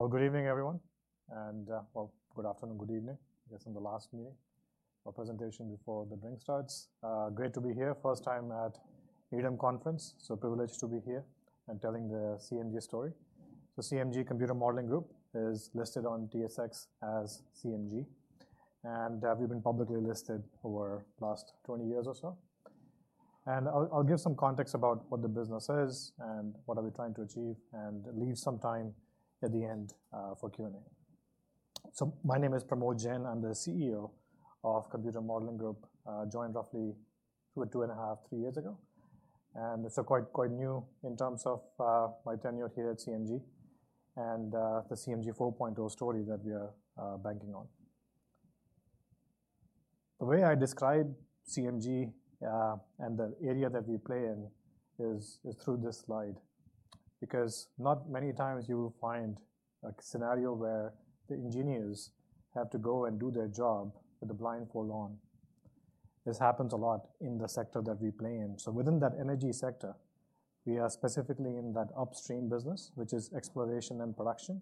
Well, good evening, everyone. And well, good afternoon, good evening. I guess I'm the last meeting or presentation before the drink starts. Great to be here. First time at EDM Conference, so privileged to be here and telling the CMG story. So CMG Computer Modelling Group is listed on TSX as CMG, and we've been publicly listed over the last 20 years or so. And I'll give some context about what the business is and what are we trying to achieve, and leave some time at the end for Q&A. So my name is Pramod Jain. I'm the CEO of Computer Modelling Group, joined roughly two or two and a half, three years ago. And it's quite new in terms of my tenure here at CMG and the CMG 4.0 story that we are banking on. The way I describe CMG, and the area that we play in is through this slide because not many times you will find a scenario where the engineers have to go and do their job with the blindfold on. This happens a lot in the sector that we play in, so within that energy sector, we are specifically in that upstream business, which is exploration and production,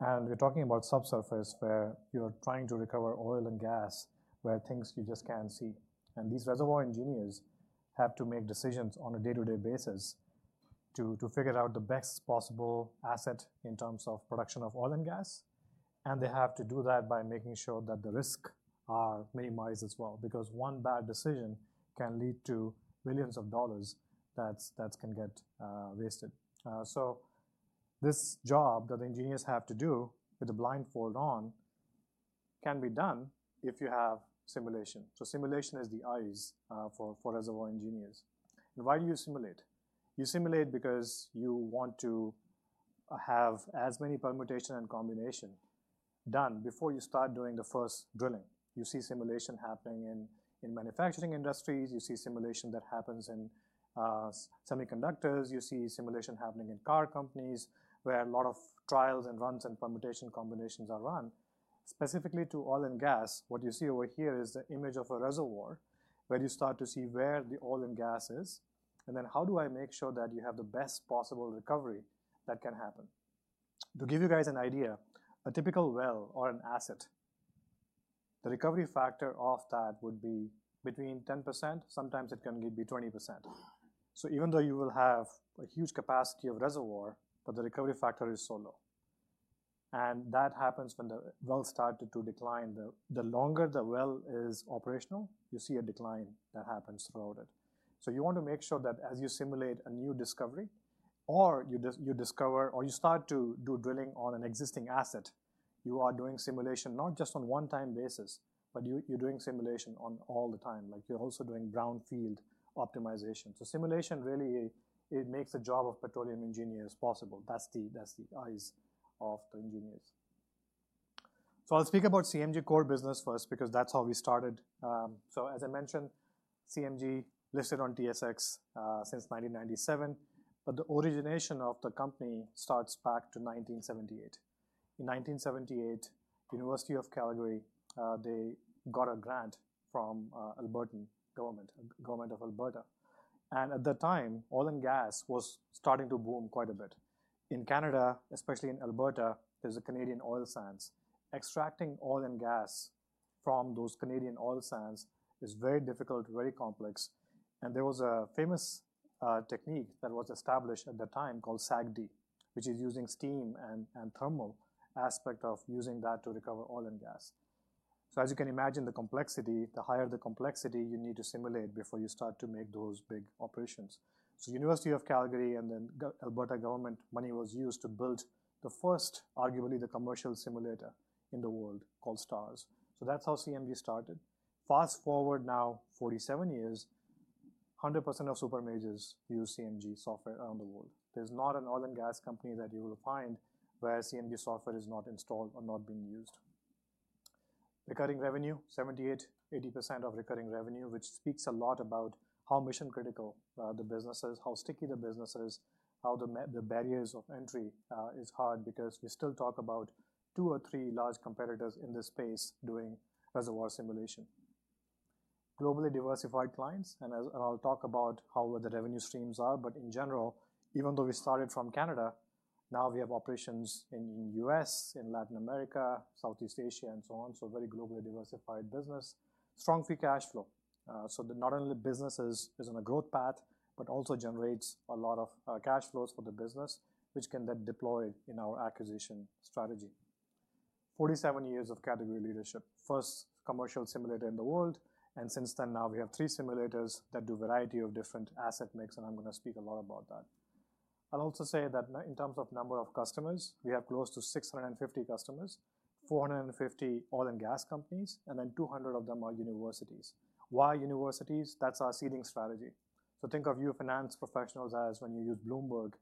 and we're talking about subsurface where you're trying to recover oil and gas, where things you just can't see, and these reservoir engineers have to make decisions on a day-to-day basis to figure out the best possible asset in terms of production of oil and gas, and they have to do that by making sure that the risks are minimized as well because one bad decision can lead to millions of dollars that can get wasted. So this job that the engineers have to do with the blindfold on can be done if you have simulation. So simulation is the eyes for reservoir engineers. And why do you simulate? You simulate because you want to have as many permutation and combination done before you start doing the first drilling. You see simulation happening in manufacturing industries. You see simulation that happens in semiconductors. You see simulation happening in car companies where a lot of trials and runs and permutation combinations are run. Specifically to oil and gas, what you see over here is the image of a reservoir where you start to see where the oil and gas is. And then how do I make sure that you have the best possible recovery that can happen? To give you guys an idea, a typical well or an asset, the recovery factor of that would be between 10%. Sometimes it can be 20%. So even though you will have a huge capacity of reservoir, but the recovery factor is so low. And that happens when the well started to decline. The longer the well is operational, you see a decline that happens throughout it. So you want to make sure that as you simulate a new discovery or you discover or you start to do drilling on an existing asset, you are doing simulation not just on a one-time basis, but you, you're doing simulation on all the time. Like you're also doing brownfield optimization. So simulation really, it makes the job of petroleum engineers possible. That's the eyes of the engineers. I'll speak about CMG core business first because that's how we started. As I mentioned, CMG listed on TSX since 1997. The origination of the company starts back to 1978. In 1978, University of Calgary got a grant from Albertan government, government of Alberta. At the time, oil and gas was starting to boom quite a bit. In Canada, especially in Alberta, there's Canadian oil sands. Extracting oil and gas from those Canadian oil sands is very difficult, very complex. There was a famous technique that was established at the time called SAGD, which is using steam and thermal aspect of using that to recover oil and gas. As you can imagine, the complexity, the higher the complexity you need to simulate before you start to make those big operations. University of Calgary and then Alberta government money was used to build the first, arguably the commercial simulator in the world called STARS. That's how CMG started. Fast forward now 47 years, 100% of super majors use CMG software around the world. There's not an oil and gas company that you will find where CMG software is not installed or not being used. Recurring revenue, 78%. 80% of recurring revenue, which speaks a lot about how mission-critical the business is, how sticky the business is, how the barriers of entry is hard because we still talk about two or three large competitors in this space doing reservoir simulation. Globally diversified clients. And I'll talk about how the revenue streams are. But in general, even though we started from Canada, now we have operations in US, in Latin America, Southeast Asia, and so on. Very globally diversified business. Strong free cash flow. So not only business is on a growth path, but also generates a lot of cash flows for the business, which can then deploy in our acquisition strategy. 47 years of category leadership. First commercial simulator in the world. And since then now, we have three simulators that do a variety of different asset mix. And I'm gonna speak a lot about that. I'll also say that in terms of number of customers, we have close to 650 customers, 450 oil and gas companies, and then 200 of them are universities. Why universities? That's our seeding strategy. So think of you finance professionals as when you use Bloomberg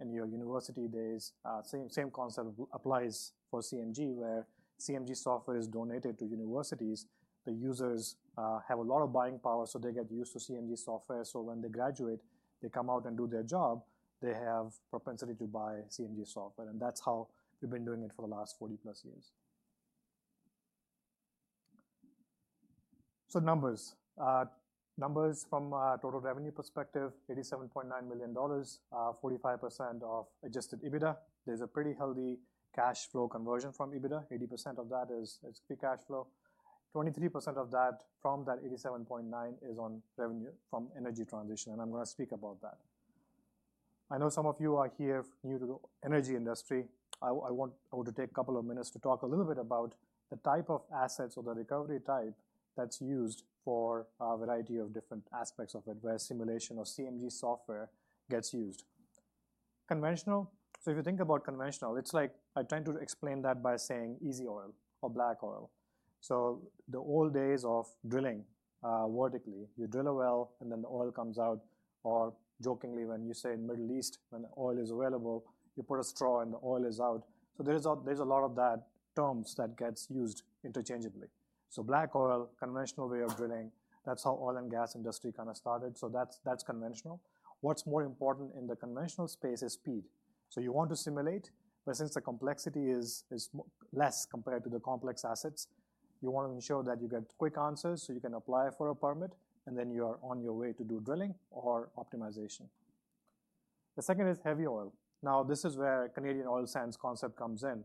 in your university days. Same, same concept applies for CMG where CMG software is donated to universities. The users have a lot of buying power, so they get used to CMG software. So when they graduate, they come out and do their job, they have propensity to buy CMG software. And that's how we've been doing it for the last 40-plus years. So numbers from a total revenue perspective, 87.9 million dollars, 45% of adjusted EBITDA. There's a pretty healthy cash flow conversion from EBITDA. 80% of that is free cash flow. 23% of that from that 87.9 is on revenue from energy transition. And I'm gonna speak about that. I know some of you are here new to the energy industry. I want to take a couple of minutes to talk a little bit about the type of assets or the recovery type that's used for a variety of different aspects of it where simulation or CMG software gets used. Conventional. So if you think about conventional, it's like I tend to explain that by saying easy oil or black oil. So the old days of drilling, vertically, you drill a well and then the oil comes out. Or jokingly, when you say in the Middle East, when the oil is available, you put a straw and the oil is out. So there is, there's a lot of that terms that gets used interchangeably. So black oil, conventional way of drilling, that's how oil and gas industry kind of started. So that's conventional. What's more important in the conventional space is speed. So you want to simulate, but since the complexity is less compared to the complex assets, you wanna ensure that you get quick answers so you can apply for a permit, and then you are on your way to do drilling or optimization. The second is heavy oil. Now, this is where Canadian oil sands concept comes in.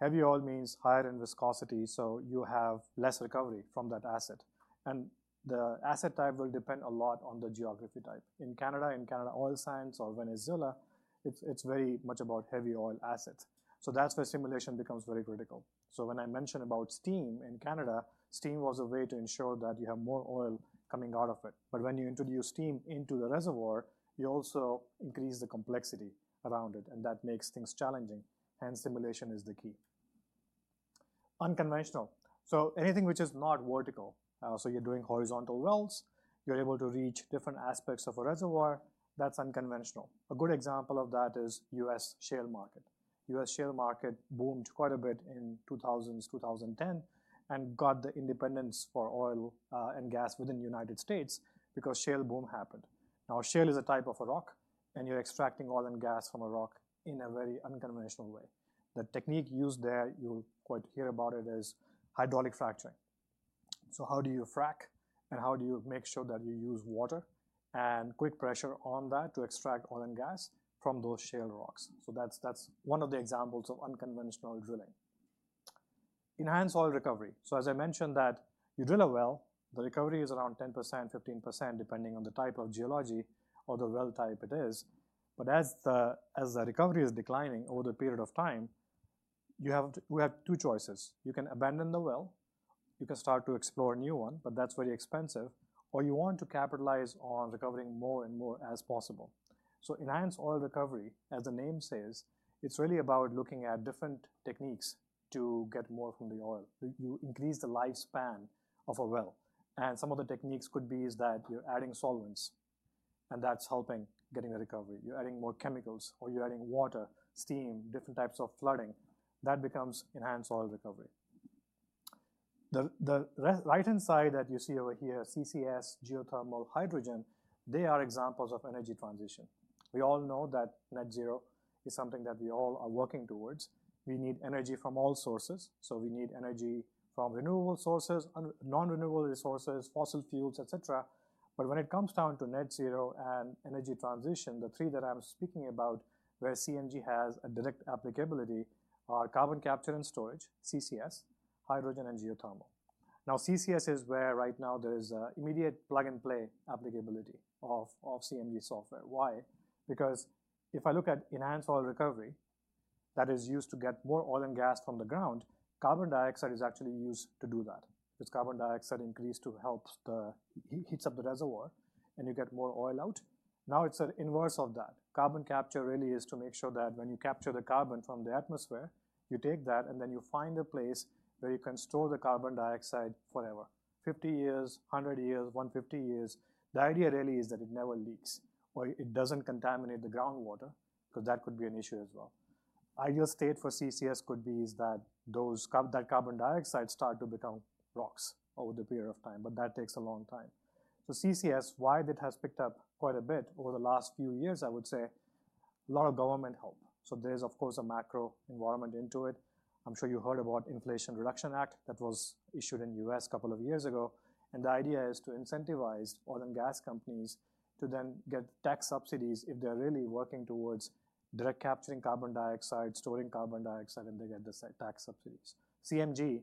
Heavy oil means higher in viscosity, so you have less recovery from that asset. And the asset type will depend a lot on the geography type. In Canada oil sands or Venezuela, it's very much about heavy oil assets. So that's where simulation becomes very critical. So when I mention about steam in Canada, steam was a way to ensure that you have more oil coming out of it. But when you introduce steam into the reservoir, you also increase the complexity around it, and that makes things challenging. And simulation is the key. Unconventional. So anything which is not vertical, so you're doing horizontal wells, you're able to reach different aspects of a reservoir. That's unconventional. A good example of that is U.S. shale market. U.S. shale market boomed quite a bit in 2000s, 2010, and got the independence for oil and gas within the United States because shale boom happened. Now, shale is a type of a rock, and you're extracting oil and gas from a rock in a very unconventional way. The technique used there, you'll quite hear about it, is hydraulic fracturing. So how do you frac and how do you make sure that you use water and quick pressure on that to extract oil and gas from those shale rocks? That's one of the examples of unconventional drilling. Enhanced oil recovery. As I mentioned that you drill a well, the recovery is around 10%, 15% depending on the type of geology or the well type it is. But as the recovery is declining over the period of time, you have two choices. You can abandon the well, you can start to explore a new one, but that's very expensive, or you want to capitalize on recovering more and more as possible, so enhanced oil recovery, as the name says, it's really about looking at different techniques to get more from the oil. You increase the lifespan of a well. And some of the techniques could be is that you're adding solvents, and that's helping getting the recovery. You're adding more chemicals, or you're adding water, steam, different types of flooding. That becomes enhanced oil recovery. The right-hand side that you see over here, CCS, geothermal, hydrogen, they are examples of energy transition. We all know that net zero is something that we all are working towards. We need energy from all sources, so we need energy from renewable sources, non-renewable resources, fossil fuels, etc. But when it comes down to net zero and energy transition, the three that I'm speaking about where CMG has a direct applicability are carbon capture and storage, CCS, hydrogen, and geothermal. Now, CCS is where right now there is a immediate plug-and-play applicability of, of CMG software. Why? Because if I look at enhanced oil recovery that is used to get more oil and gas from the ground, carbon dioxide is actually used to do that. Because carbon dioxide increased to help the heat up the reservoir, and you get more oil out. Now it's an inverse of that. Carbon capture really is to make sure that when you capture the carbon from the atmosphere, you take that and then you find a place where you can store the carbon dioxide forever, 50 years, 100 years, 150 years. The idea really is that it never leaks or it doesn't contaminate the groundwater because that could be an issue as well. Ideal state for CCS could be that the carbon dioxide starts to become rocks over the period of time, but that takes a long time. So CCS, why it has picked up quite a bit over the last few years, I would say a lot of government help. So there is, of course, a macro environment into it. I'm sure you heard about the Inflation Reduction Act that was issued in the U.S. a couple of years ago, and the idea is to incentivize oil and gas companies to then get tax subsidies if they're really working towards direct capturing carbon dioxide, storing carbon dioxide, and they get the tax subsidies. CMG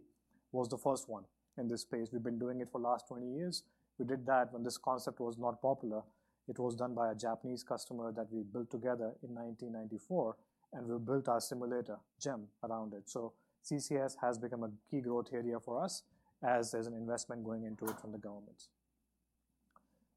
was the first one in this space. We've been doing it for the last 20 years. We did that when this concept was not popular. It was done by a Japanese customer that we built together in 1994, and we built our simulator, GEM, around it. So CCS has become a key growth area for us as there's an investment going into it from the governments.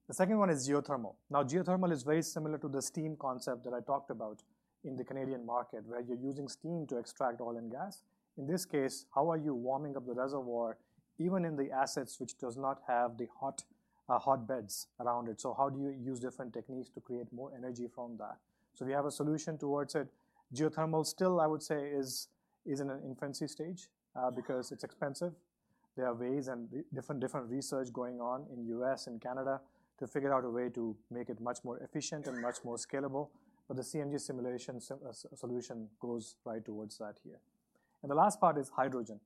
The second one is geothermal. Now, geothermal is very similar to the steam concept that I talked about in the Canadian market where you're using steam to extract oil and gas. In this case, how are you warming up the reservoir even in the assets which does not have the hot, hot beds around it? So how do you use different techniques to create more energy from that? So we have a solution towards it. Geothermal still, I would say, is in an infancy stage, because it's expensive. There are ways and different research going on in the U.S. and Canada to figure out a way to make it much more efficient and much more scalable. The CMG simulation solution goes right towards that here. The last part is hydrogen.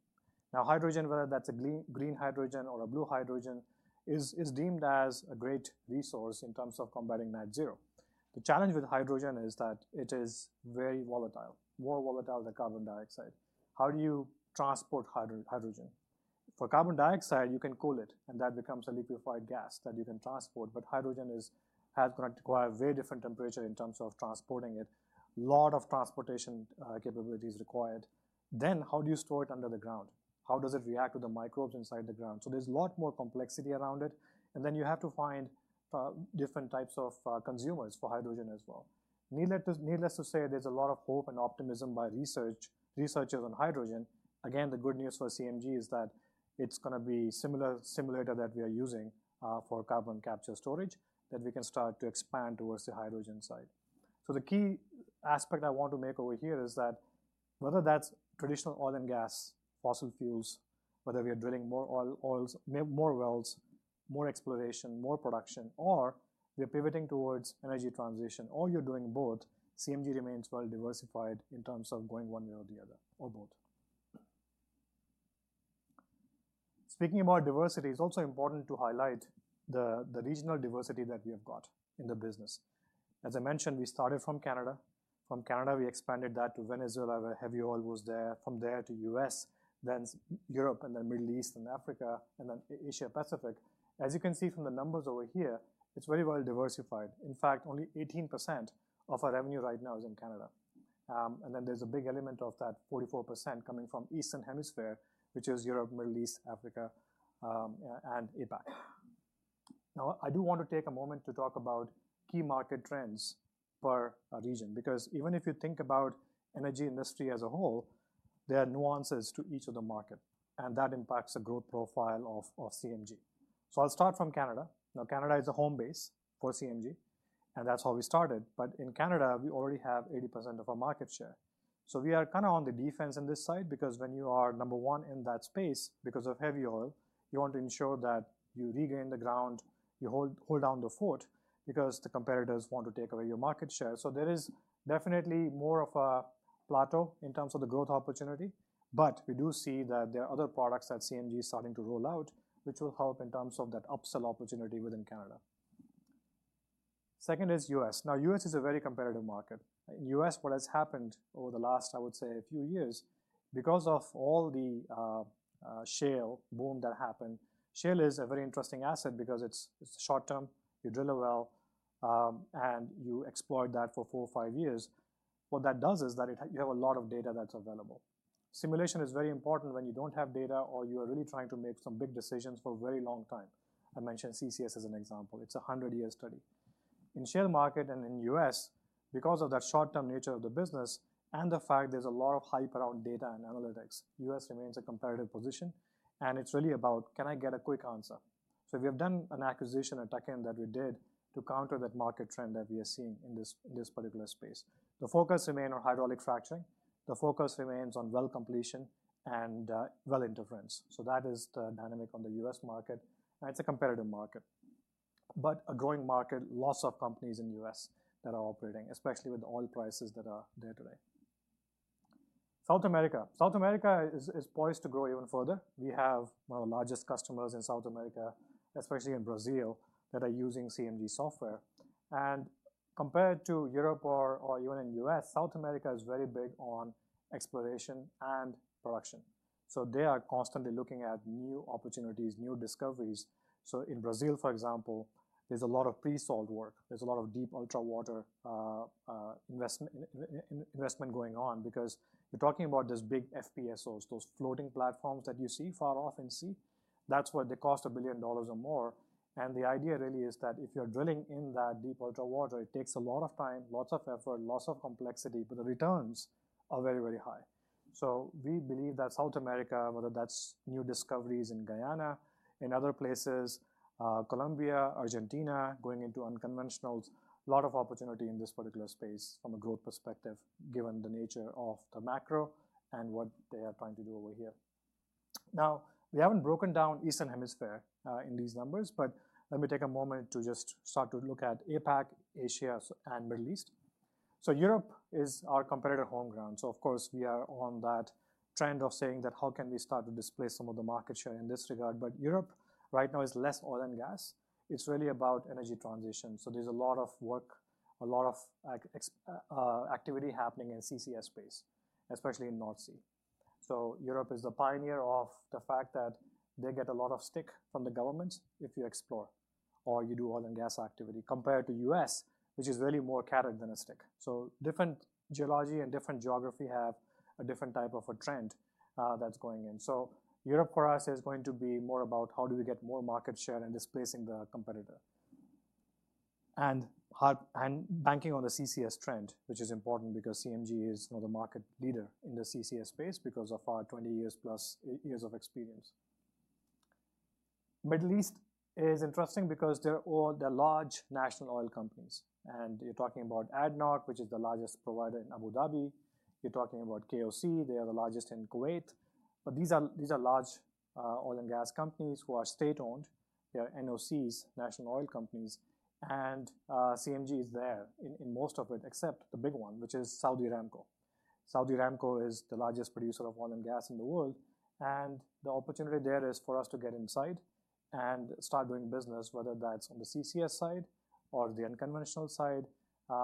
Now, hydrogen, whether that's a green hydrogen or a blue hydrogen, is deemed as a great resource in terms of combating net zero. The challenge with hydrogen is that it is very volatile, more volatile than carbon dioxide. How do you transport hydrogen? For carbon dioxide, you can cool it, and that becomes a liquefied gas that you can transport. Hydrogen is gonna require a very different temperature in terms of transporting it. A lot of transportation capabilities required. How do you store it under the ground? How does it react with the microbes inside the ground? So there's a lot more complexity around it. And then you have to find different types of consumers for hydrogen as well. Needless to say, there's a lot of hope and optimism by researchers on hydrogen. Again, the good news for CMG is that it's gonna be similar simulator that we are using for carbon capture storage that we can start to expand towards the hydrogen side. So the key aspect I want to make over here is that whether that's traditional oil and gas, fossil fuels, whether we are drilling more oil, more wells, more exploration, more production, or we are pivoting towards energy transition, or you're doing both, CMG remains well diversified in terms of going one way or the other or both. Speaking about diversity, it's also important to highlight the regional diversity that we have got in the business. As I mentioned, we started from Canada. From Canada, we expanded that to Venezuela where heavy oil was there, from there to US, then Europe, and then Middle East and Africa, and then Asia-Pacific. As you can see from the numbers over here, it's very well diversified. In fact, only 18% of our revenue right now is in Canada, and then there's a big element of that 44% coming from Eastern Hemisphere, which is Europe, Middle East, Africa, and APAC. Now, I do want to take a moment to talk about key market trends per region because even if you think about energy industry as a whole, there are nuances to each of the market, and that impacts the growth profile of CMG. So I'll start from Canada. Now, Canada is a home base for CMG, and that's how we started. But in Canada, we already have 80% of our market share. So we are kind of on the defense in this side because when you are number one in that space because of heavy oil, you want to ensure that you regain the ground, you hold down the fort because the competitors want to take away your market share. So there is definitely more of a plateau in terms of the growth opportunity. But we do see that there are other products that CMG is starting to roll out, which will help in terms of that upsell opportunity within Canada. Second is US. Now, U.S. is a very competitive market. In US, what has happened over the last, I would say, a few years, because of all the shale boom that happened, shale is a very interesting asset because it's short-term. You drill a well, and you exploit that for four or five years. What that does is you have a lot of data that's available. Simulation is very important when you don't have data or you are really trying to make some big decisions for a very long time. I mentioned CCS as an example. It's a 100-year study. In shale market and in US, because of that short-term nature of the business and the fact there's a lot of hype around data and analytics, U.S. remains a competitive position, and it's really about, can I get a quick answer? So we have done an acquisition, a tech tuck-in, that we did to counter that market trend that we are seeing in this particular space. The focus remained on hydraulic fracturing. The focus remains on well completion and well interference. So that is the dynamic on the U.S. market, and it's a competitive market, but a growing market, lots of companies in the U.S. that are operating, especially with the oil prices that are there today. South America. South America is poised to grow even further. We have one of the largest customers in South America, especially in Brazil, that are using CMG software. And compared to Europe or even in the US, South America is very big on exploration and production. So they are constantly looking at new opportunities, new discoveries. So in Brazil, for example, there's a lot of pre-salt work. There's a lot of ultra-deepwater investment going on because you're talking about these big FPSOs, those floating platforms that you see far off at sea. That's what they cost $1 billion or more. And the idea really is that if you're drilling in that deep ultra-water, it takes a lot of time, lots of effort, lots of complexity, but the returns are very, very high. So we believe that South America, whether that's new discoveries in Guyana, in other places, Colombia, Argentina, going into unconventionals, a lot of opportunity in this particular space from a growth perspective given the nature of the macro and what they are trying to do over here. Now, we haven't broken down Eastern Hemisphere, in these numbers, but let me take a moment to just start to look at APAC, Asia, and Middle East. So Europe is our competitor home ground. So, of course, we are on that trend of saying that how can we start to displace some of the market share in this regard. But Europe right now is less oil and gas. It's really about energy transition. So there's a lot of work, a lot of activity happening in CCS space, especially in North Sea. So Europe is the pioneer of the fact that they get a lot of stick from the government if you explore or you do oil and gas activity compared to U.S., which is really more carrot than a stick. So different geology and different geography have a different type of a trend, that's going in. So Europe for us is going to be more about how do we get more market share and displacing the competitor and hard and banking on the CCS trend, which is important because CMG is the market leader in the CCS space because of our 20 years plus of experience. Middle East is interesting because they're large national oil companies. And you're talking about ADNOC, which is the largest provider in Abu Dhabi. You're talking about KOC. They are the largest in Kuwait. But these are large, oil and gas companies who are state-owned. They are NOCs, national oil companies. And CMG is there in most of it except the big one, which is Saudi Aramco. Saudi Aramco is the largest producer of oil and gas in the world. And the opportunity there is for us to get inside and start doing business, whether that's on the CCS side or the unconventional side.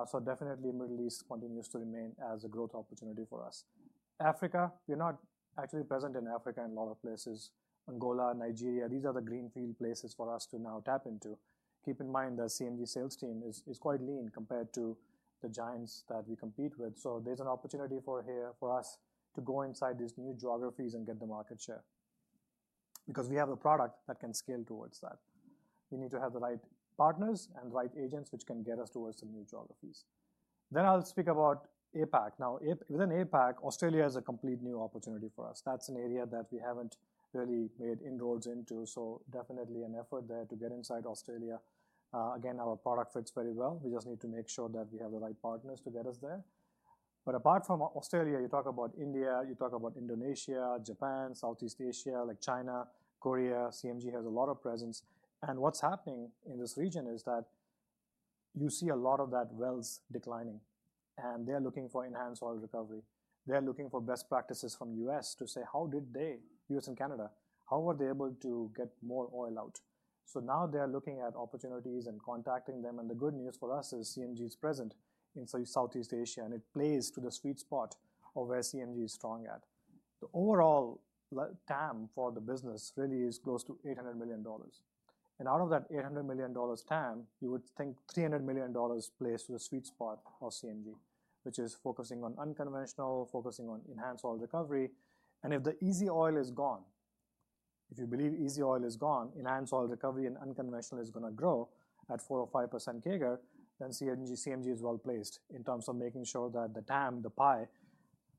So definitely Middle East continues to remain as a growth opportunity for us. Africa, we're not actually present in Africa in a lot of places. Angola, Nigeria, these are the greenfield places for us to now tap into. Keep in mind the CMG sales team is quite lean compared to the giants that we compete with. So there's an opportunity for here, for us to go inside these new geographies and get the market share because we have a product that can scale towards that. We need to have the right partners and the right agents which can get us towards the new geographies. Then I'll speak about APAC. Now, APAC, within APAC, Australia is a complete new opportunity for us. That's an area that we haven't really made inroads into. So definitely an effort there to get inside Australia. Again, our product fits very well. We just need to make sure that we have the right partners to get us there. But apart from Australia, you talk about India, you talk about Indonesia, Japan, Southeast Asia, like China, Korea. CMG has a lot of presence. And what's happening in this region is that you see a lot of that wells declining, and they're looking for enhanced oil recovery. They're looking for best practices from the U.S. to say, how did they, U.S. and Canada, how were they able to get more oil out? So now they're looking at opportunities and contacting them. And the good news for us is CMG is present in Southeast Asia, and it plays to the sweet spot of where CMG is strong at. The overall TAM for the business really is close to $800 million. And out of that $800 million TAM, you would think $300 million plays to the sweet spot of CMG, which is focusing on unconventional, focusing on enhanced oil recovery. If the easy oil is gone, if you believe easy oil is gone, enhanced oil recovery and unconventional is gonna grow at 4% or 5% CAGR, then CMG is well placed in terms of making sure that the TAM, the pie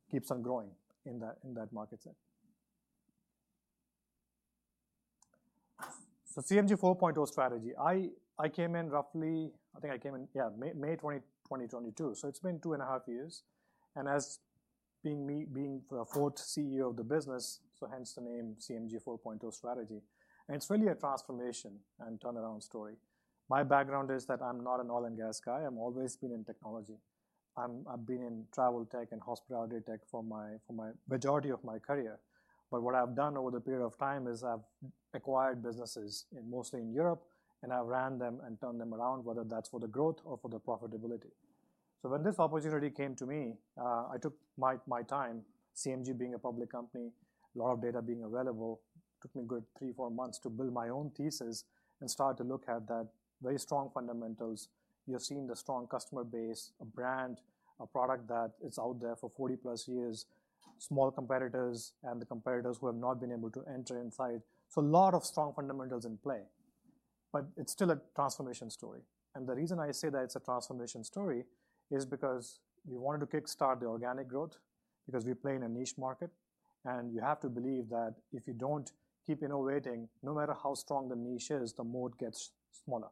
keeps on growing in that market set. So CMG 4.0 strategy. I came in roughly May 20, 2022. So it's been two and a half years. As me being the fourth CEO of the business, so hence the name CMG 4.0 strategy. It's really a transformation and turnaround story. My background is that I'm not an oil and gas guy. I've always been in technology. I've been in travel tech and hospitality tech for my majority of my career. But what I've done over the period of time is I've acquired businesses mostly in Europe, and I've ran them and turned them around, whether that's for the growth or for the profitability. So when this opportunity came to me, I took my, my time. CMG being a public company, a lot of data being available, took me a good three, four months to build my own thesis and start to look at that very strong fundamentals. You're seeing the strong customer base, a brand, a product that is out there for 40 plus years, small competitors, and the competitors who have not been able to enter inside. So a lot of strong fundamentals in play. But it's still a transformation story. And the reason I say that it's a transformation story is because we wanted to kickstart the organic growth because we play in a niche market. And you have to believe that if you don't keep innovating, no matter how strong the niche is, the moat gets smaller.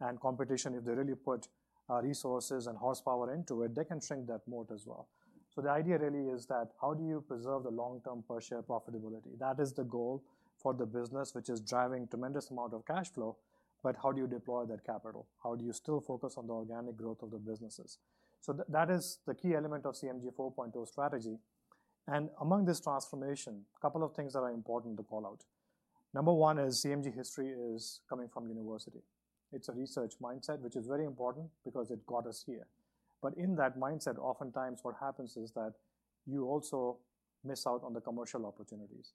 And competition, if they really put resources and horsepower into it, they can shrink that moat as well. So the idea really is that how do you preserve the long-term per-share profitability? That is the goal for the business, which is driving a tremendous amount of cash flow. But how do you deploy that capital? How do you still focus on the organic growth of the businesses? So that is the key element of the CMG 4.0 strategy. And among this transformation, a couple of things that are important to call out. Number one is CMG history is coming from university. It is a research mindset, which is very important because it got us here. But in that mindset, oftentimes what happens is that you also miss out on the commercial opportunities,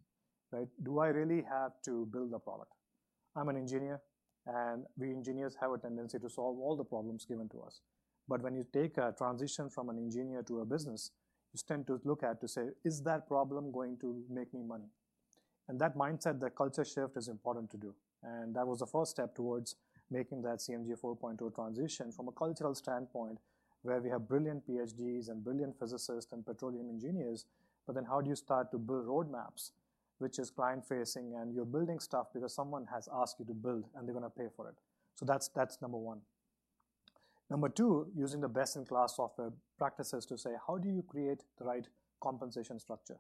right? Do I really have to build a product? I'm an engineer, and we engineers have a tendency to solve all the problems given to us. But when you take a transition from an engineer to a business, you tend to look at to say, is that problem going to make me money? And that mindset, that culture shift is important to do. And that was the first step towards making that CMG 4.0 transition from a cultural standpoint where we have brilliant PhDs and brilliant physicists and petroleum engineers. But then how do you start to build roadmaps, which is client-facing, and you're building stuff because someone has asked you to build, and they're gonna pay for it? So that's number one. Number two, using the best-in-class software practices to say, how do you create the right compensation structure?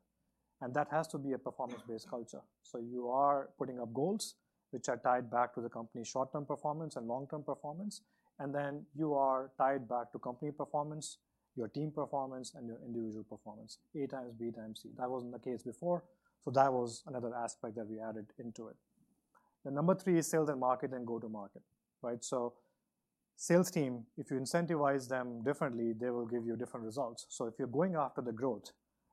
And that has to be a performance-based culture. So you are putting up goals which are tied back to the company's short-term performance and long-term performance. And then you are tied back to company performance, your team performance, and your individual performance, A times B times C. That wasn't the case before. So that was another aspect that we added into it. And number three is sales and market and go-to-market, right? So sales team, if you incentivize them differently, they will give you different results. So if you're going after the growth,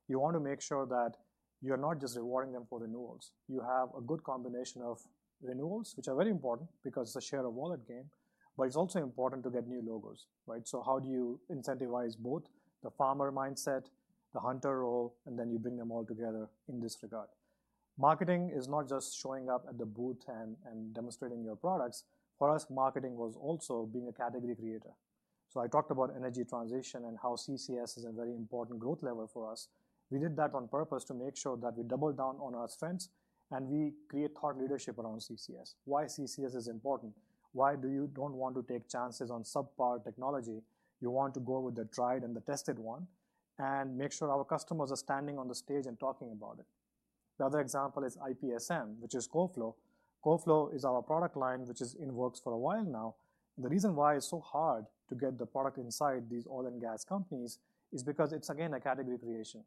you want to make sure that you're not just rewarding them for renewals. You have a good combination of renewals, which are very important because it's a share of wallet game, but it's also important to get new logos, right? So how do you incentivize both the farmer mindset, the hunter role, and then you bring them all together in this regard? Marketing is not just showing up at the booth and demonstrating your products. For us, marketing was also being a category creator. So I talked about energy transition and how CCS is a very important growth level for us. We did that on purpose to make sure that we double down on our strengths and we create thought leadership around CCS. Why is CCS important? Why do you don't want to take chances on subpar technology? You want to go with the tried and the tested one and make sure our customers are standing on the stage and talking about it. The other example is IPSM, which is CoFlow. CoFlow is our product line, which has been in works for a while now. The reason why it's so hard to get the product inside these oil and gas companies is because it's, again, a category creation.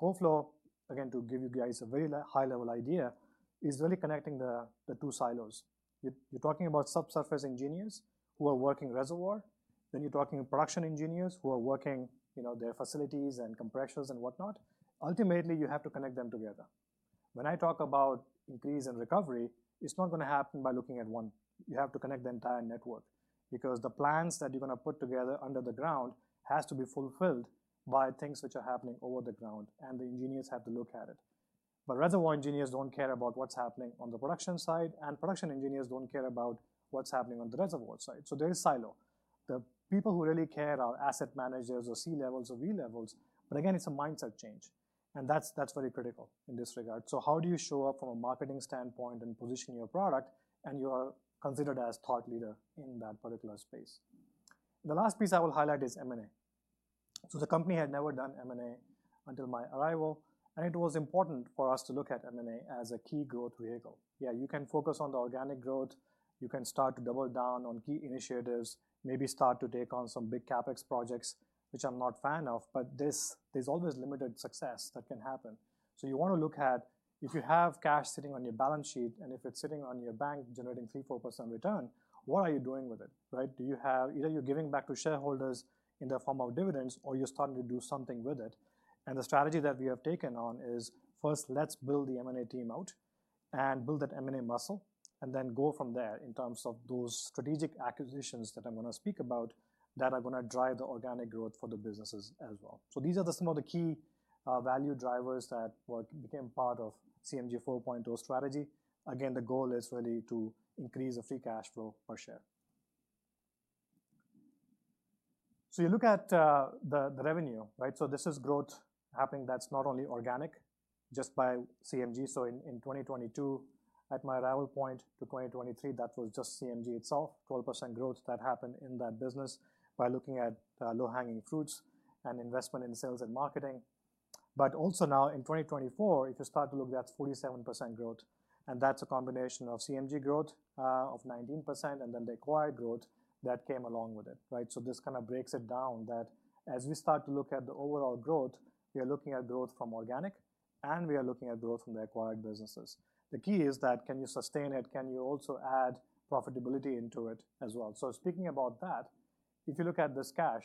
CoFlow, again, to give you guys a very high-level idea, is really connecting the two silos. You're talking about subsurface engineers who are working reservoir. Then you're talking production engineers who are working their facilities and compressors and whatnot. Ultimately, you have to connect them together. When I talk about increase and recovery, it's not gonna happen by looking at one. You have to connect the entire network because the plans that you're gonna put together under the ground have to be fulfilled by things which are happening over the ground, and the engineers have to look at it, but reservoir engineers don't care about what's happening on the production side, and production engineers don't care about what's happening on the reservoir side. So there is silo. The people who really care are asset managers or C levels or V levels. But again, it's a mindset change, and that's very critical in this regard. So how do you show up from a marketing standpoint and position your product, and you are considered as a thought leader in that particular space? The last piece I will highlight is M&A. So the company had never done M&A until my arrival, and it was important for us to look at M&A as a key growth vehicle. Yeah, you can focus on the organic growth. You can start to double down on key initiatives, maybe start to take on some big CapEx projects, which I'm not a fan of, but there's always limited success that can happen. So you wanna look at if you have cash sitting on your balance sheet and if it's sitting on your bank generating 3-4% return, what are you doing with it, right? Do you have either you're giving back to shareholders in the form of dividends or you're starting to do something with it? And the strategy that we have taken on is first, let's build the M&A team out and build that M&A muscle, and then go from there in terms of those strategic acquisitions that I'm gonna speak about that are gonna drive the organic growth for the businesses as well. So these are some of the key, value drivers that became part of CMG 4.0 strategy. Again, the goal is really to increase the free cash flow per share. So you look at, the revenue, right? So this is growth happening that's not only organic just by CMG. So in 2022, at my arrival point to 2023, that was just CMG itself, 12% growth that happened in that business by looking at low-hanging fruits and investment in sales and marketing. But also now in 2024, if you start to look, that's 47% growth, and that's a combination of CMG growth, of 19%, and then the acquired growth that came along with it, right? So this kind of breaks it down that as we start to look at the overall growth, we are looking at growth from organic, and we are looking at growth from the acquired businesses. The key is that can you sustain it? Can you also add profitability into it as well? So speaking about that, if you look at this cash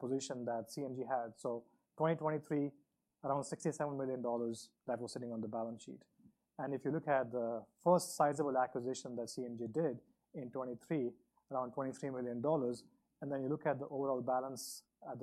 position that CMG had, so 2023, around 67 million dollars that was sitting on the balance sheet. And if you look at the first sizable acquisition that CMG did in 2023, around 23 million dollars, and then you look at the overall balance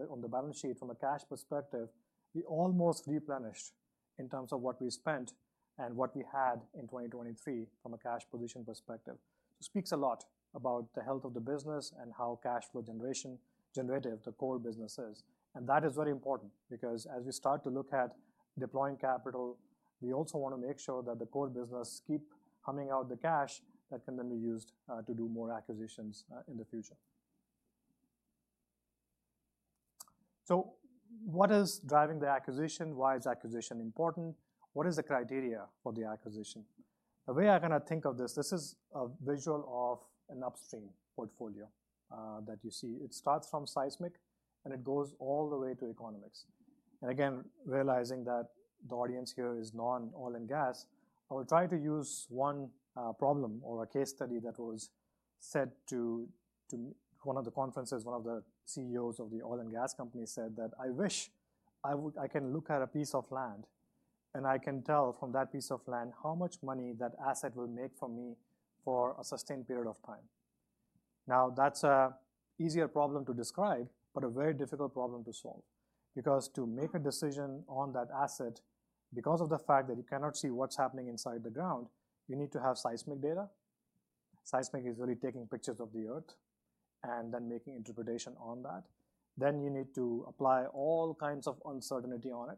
on the balance sheet from a cash perspective, we almost replenished in terms of what we spent and what we had in 2023 from a cash position perspective. So it speaks a lot about the health of the business and how cash flow generation generative the core business is. That is very important because as we start to look at deploying capital, we also wanna make sure that the core business keeps humming out the cash that can then be used to do more acquisitions in the future. So what is driving the acquisition? Why is acquisition important? What is the criteria for the acquisition? The way I'm gonna think of this, this is a visual of an upstream portfolio, that you see. It starts from seismic, and it goes all the way to economics. Again, realizing that the audience here is non-oil and gas, I will try to use one problem or a case study that was said to one of the conferences. One of the CEOs of the oil and gas company said that, "I wish I would, I can look at a piece of land, and I can tell from that piece of land how much money that asset will make for me for a sustained period of time." Now, that's an easier problem to describe, but a very difficult problem to solve because to make a decision on that asset, because of the fact that you cannot see what's happening inside the ground, you need to have seismic data. Seismic is really taking pictures of the earth and then making interpretation on that. Then you need to apply all kinds of uncertainty on it.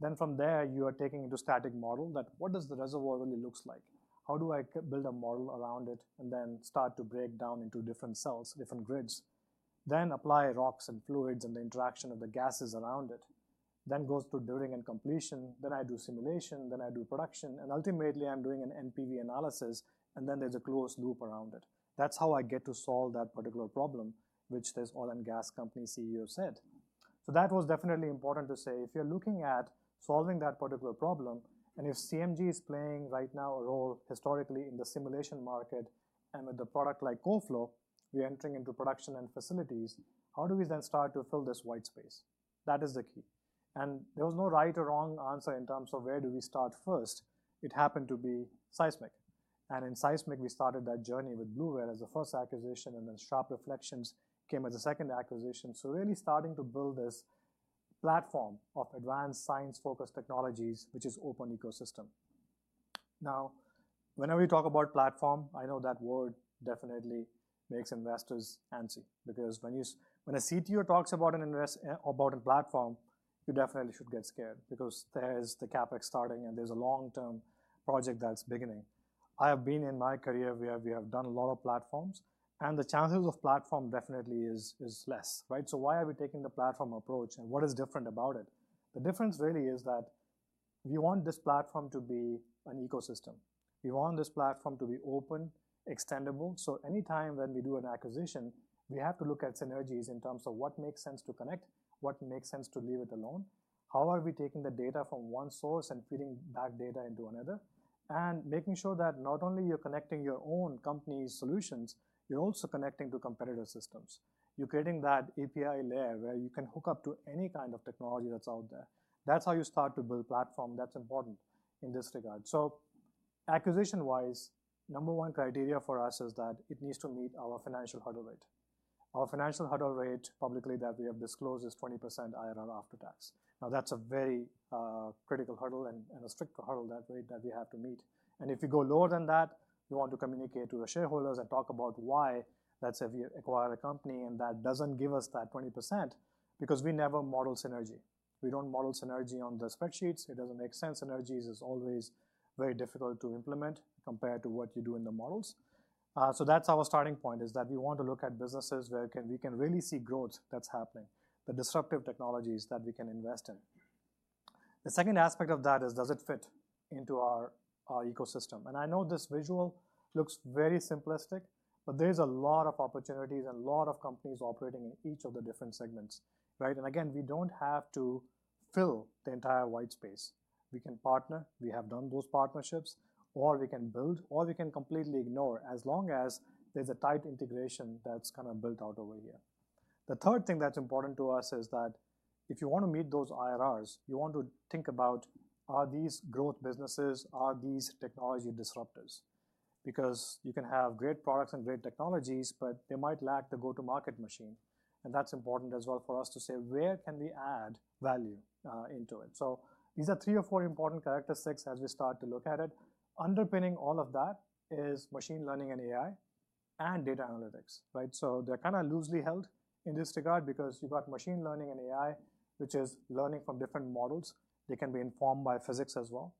Then from there, you are taking into static model that what does the reservoir really look like? How do I build a model around it and then start to break down into different cells, different grids, then apply rocks and fluids and the interaction of the gases around it? Then goes to drilling and completion. Then I do simulation, then I do production, and ultimately I'm doing an NPV analysis, and then there's a closed loop around it. That's how I get to solve that particular problem, which this oil and gas company CEO said. So that was definitely important to say. If you're looking at solving that particular problem, and if CMG is playing right now a role historically in the simulation market and with the product like CoFlow, we're entering into production and facilities, how do we then start to fill this white space? That is the key. There was no right or wrong answer in terms of where do we start first. It happened to be seismic. And in seismic, we started that journey with Bluware as the first acquisition, and then Sharp Reflections came as the second acquisition. So really starting to build this platform of advanced science-focused technologies, which is an open ecosystem. Now, whenever you talk about platform, I know that word definitely makes investors antsy because when you, when a CTO talks about an investment about a platform, you definitely should get scared because there's the CapEx starting and there's a long-term project that's beginning. I have been in my career where we have done a lot of platforms, and the chances of platform definitely is less, right? So why are we taking the platform approach and what is different about it? The difference really is that we want this platform to be an ecosystem. We want this platform to be open, extendable. So anytime when we do an acquisition, we have to look at synergies in terms of what makes sense to connect, what makes sense to leave it alone, how are we taking the data from one source and feeding back data into another, and making sure that not only you're connecting your own company's solutions, you're also connecting to competitor systems. You're creating that API layer where you can hook up to any kind of technology that's out there. That's how you start to build platform. That's important in this regard. So acquisition-wise, number one criteria for us is that it needs to meet our financial hurdle rate. Our financial hurdle rate publicly that we have disclosed is 20% IRR after tax. Now, that's a very critical hurdle and a strict hurdle that rate we have to meet. And if you go lower than that, you want to communicate to the shareholders and talk about why that's. If you acquire a company and that doesn't give us that 20% because we never model synergy. We don't model synergy on the spreadsheets. It doesn't make sense. Synergies is always very difficult to implement compared to what you do in the models. So that's our starting point is that we want to look at businesses where we can really see growth that's happening, the disruptive technologies that we can invest in. The second aspect of that is, does it fit into our ecosystem? And I know this visual looks very simplistic, but there's a lot of opportunities and a lot of companies operating in each of the different segments, right? Again, we don't have to fill the entire white space. We can partner. We have done those partnerships, or we can build, or we can completely ignore as long as there's a tight integration that's kind of built out over here. The third thing that's important to us is that if you wanna meet those IRRs, you want to think about, are these growth businesses, are these technology disruptors? Because you can have great products and great technologies, but they might lack the go-to-market machine. That's important as well for us to say, where can we add value, into it? These are three or four important characteristics as we start to look at it. Underpinning all of that is machine learning and AI and data analytics, right? They're kind of loosely held in this regard because you've got machine learning and AI, which is learning from different models. They can be informed by physics as well,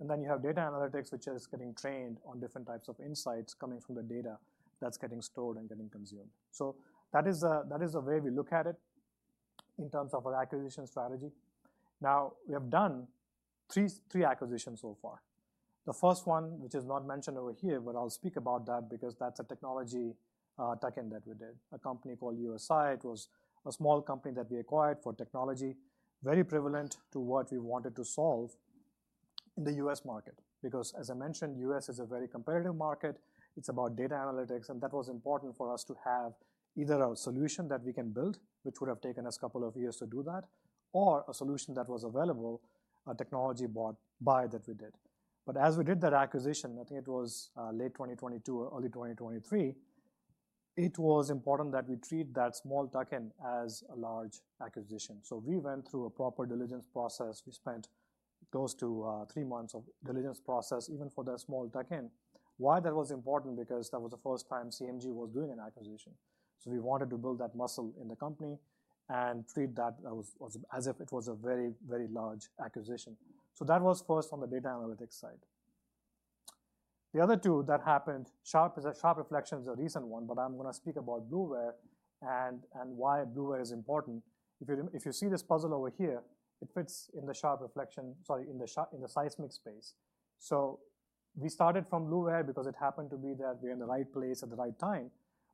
and then you have data analytics, which is getting trained on different types of insights coming from the data that's getting stored and getting consumed. So that is the way we look at it in terms of our acquisition strategy. Now, we have done three, three acquisitions so far. The first one, which is not mentioned over here, but I'll speak about that because that's a technology tuck-in that we did, a company called USI. It was a small company that we acquired for technology, very prevalent to what we wanted to solve in the U.S. market because, as I mentioned, the U.S. is a very competitive market. It's about data analytics, and that was important for us to have either a solution that we can build, which would have taken us a couple of years to do that, or a solution that was available, a technology bought by that we did. But as we did that acquisition, I think it was late 2022 or early 2023. It was important that we treat that small tuck-in as a large acquisition. So we went through a proper diligence process. We spent close to three months of diligence process even for that small tuck-in. Why that was important? Because that was the first time CMG was doing an acquisition. So we wanted to build that muscle in the company and treat that as if it was a very, very large acquisition. So that was first on the data analytics side. The other two that happened, Sharp Reflections is a recent one, but I'm gonna speak about Bluware and why Bluware is important. If you see this puzzle over here, it fits in the Sharp Reflections, sorry, in the seismic space. We started from Bluware because it happened to be that we're in the right place at the right time,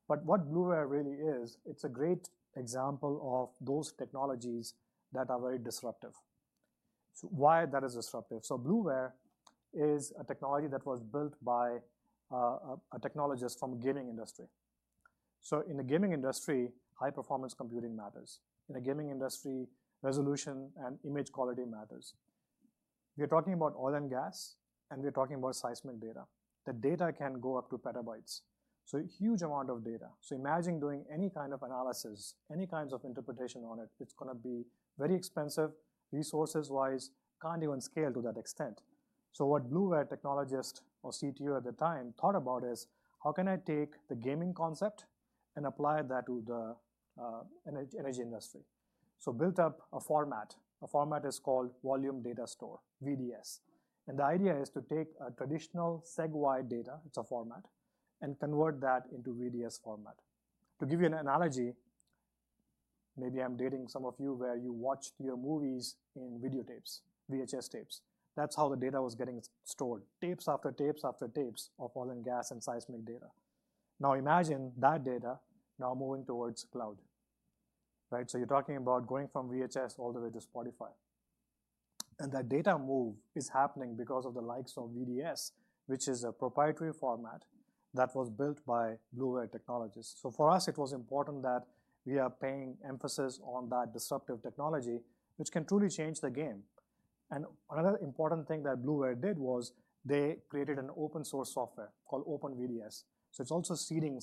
but what Bluware really is, it's a great example of those technologies that are very disruptive, so why that is disruptive. Bluware is a technology that was built by a technologist from the gaming industry. In the gaming industry, high-performance computing matters. In the gaming industry, resolution and image quality matters. We are talking about oil and gas, and we are talking about seismic data. The data can go up to petabytes, so a huge amount of data. So imagine doing any kind of analysis, any kinds of interpretation on it. It's gonna be very expensive resources-wise, can't even scale to that extent. So what Bluware technologist or CTO at the time thought about is, how can I take the gaming concept and apply that to the energy industry? So built up a format. A format is called Volume Data Store, VDS. And the idea is to take a traditional seismic data; it's a format and convert that into VDS format. To give you an analogy, maybe I'm dating some of you where you watched your movies in videotapes, VHS tapes. That's how the data was getting stored: tapes after tapes after tapes of oil and gas and seismic data. Now imagine that data now moving towards cloud, right? So you're talking about going from VHS all the way to Spotify. That data move is happening because of the likes of VDS, which is a proprietary format that was built by Bluware technologists. So for us, it was important that we are paying emphasis on that disruptive technology, which can truly change the game. Another important thing that Bluware did was they created an open-source software called OpenVDS. So it's also seeding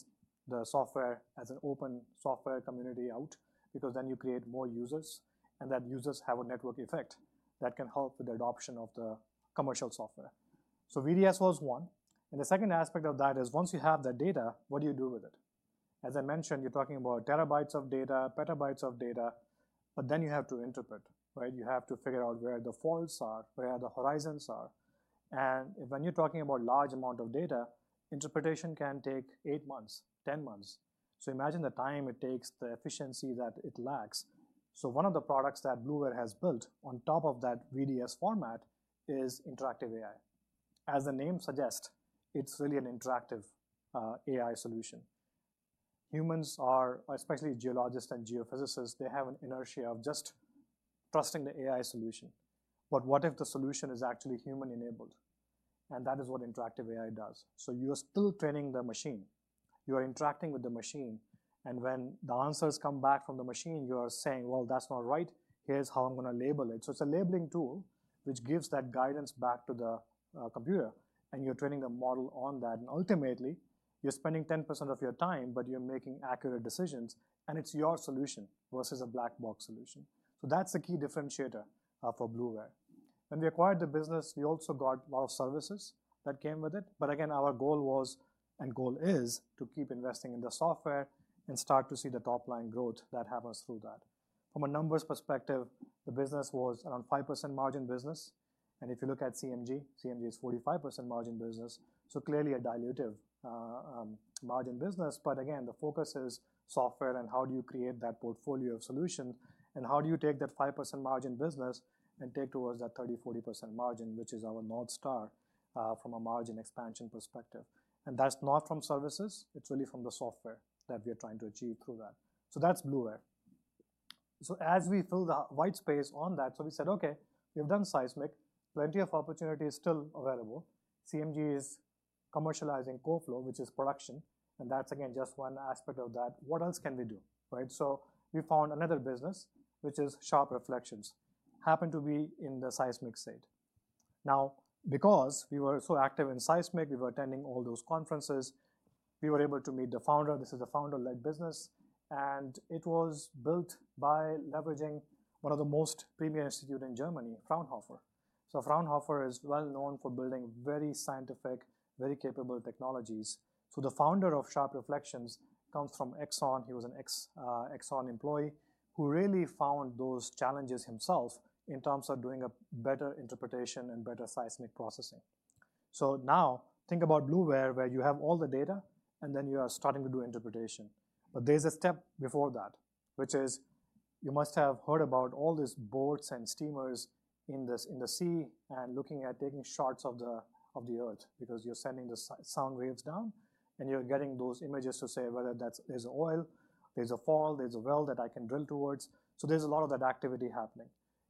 the software as an open software community out because then you create more users, and that users have a network effect that can help with the adoption of the commercial software. So VDS was one. The second aspect of that is, once you have the data, what do you do with it? As I mentioned, you're talking about terabytes of data, petabytes of data, but then you have to interpret, right? You have to figure out where the faults are, where the horizons are. And when you're talking about a large amount of data, interpretation can take eight months, ten months. So imagine the time it takes, the efficiency that it lacks. So one of the products that Bluware has built on top of that VDS format is InteractivAI. As the name suggests, it's really an interactive AI solution. Humans are, especially geologists and geophysicists, they have an inertia of just trusting the AI solution. But what if the solution is actually human-enabled? And that is what InteractivAI does. So you are still training the machine. You are interacting with the machine, and when the answers come back from the machine, you are saying, "Well, that's not right. Here's how I'm gonna label it." So it's a labeling tool which gives that guidance back to the computer, and you're training the model on that. And ultimately, you're spending 10% of your time, but you're making accurate decisions, and it's your solution versus a black box solution. So that's the key differentiator for Bluware. When we acquired the business, we also got a lot of services that came with it. But again, our goal was, and goal is, to keep investing in the software and start to see the top-line growth that happens through that. From a numbers perspective, the business was around 5% margin business. And if you look at CMG, CMG is 45% margin business. So clearly a dilutive, margin business. But again, the focus is software and how do you create that portfolio of solutions and how do you take that 5% margin business and take towards that 30%-40% margin, which is our North Star, from a margin expansion perspective. And that's not from services. It's really from the software that we are trying to achieve through that. So that's Bluware. So as we fill the white space on that, we said, "Okay, we've done seismic. Plenty of opportunities still available." CMG is commercializing CoFlow, which is production, and that's again just one aspect of that. What else can we do, right? So we found another business, which is Sharp Reflections, happened to be in the seismic space. Now, because we were so active in seismic, we were attending all those conferences. We were able to meet the founder. This is a founder-led business, and it was built by leveraging one of the most premier institutes in Germany, Fraunhofer. So Fraunhofer is well known for building very scientific, very capable technologies. So the founder of Sharp Reflections comes from Exxon. He was an Exxon employee who really found those challenges himself in terms of doing a better interpretation and better seismic processing. So now think about Bluware, where you have all the data, and then you are starting to do interpretation. But there's a step before that, which is you must have heard about all these boats and streamers in the sea and looking at taking shots of the earth because you're sending the sound waves down, and you're getting those images to say whether that's there is oil, there is a fault, there is a well that I can drill towards. So there's a lot of that activity happening.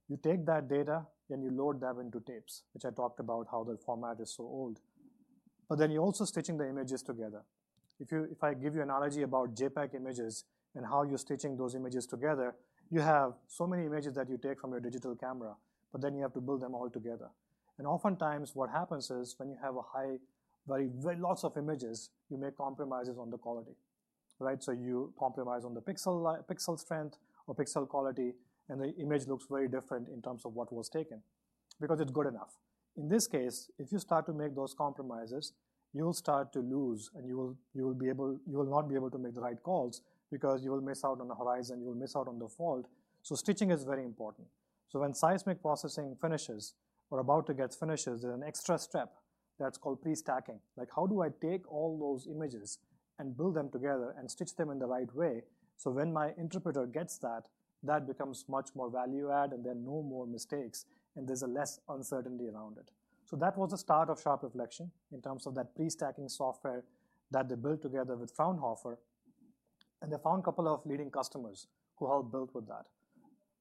You take that data and you load them into tapes, which I talked about how the format is so old. But then you're also stitching the images together. If I give you an analogy about JPEG images and how you're stitching those images together, you have so many images that you take from your digital camera, but then you have to build them all together. Oftentimes what happens is when you have a high, very lots of images, you make compromises on the quality, right? So you compromise on the pixel strength or pixel quality, and the image looks very different in terms of what was taken because it's good enough. In this case, if you start to make those compromises, you'll start to lose, and you will not be able to make the right calls because you will miss out on the horizon, you will miss out on the fault. So stitching is very important. So when seismic processing finishes or about to get finished, there's an extra step that's called pre-stacking. Like, how do I take all those images and build them together and stitch them in the right way? So when my interpreter gets that, that becomes much more value-add, and there are no more mistakes, and there's less uncertainty around it. So that was the start of Sharp Reflections in terms of that pre-stacking software that they built together with Fraunhofer, and they found a couple of leading customers who helped build with that.